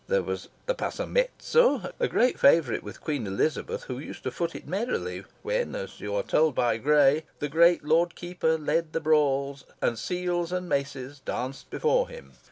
There was the Passamezzo, a great favourite with Queen Elizabeth, who used to foot it merrily, when, as you are told by Gray "The great Lord keeper led the brawls, And seals and maces danced before him!"